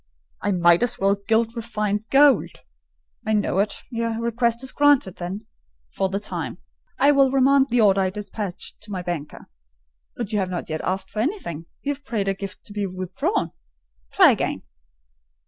"I might as well 'gild refined gold.' I know it: your request is granted then—for the time. I will remand the order I despatched to my banker. But you have not yet asked for anything; you have prayed a gift to be withdrawn: try again."